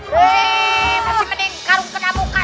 daripada muka kena karung mah